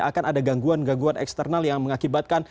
akan ada gangguan gangguan eksternal yang mengakibatkan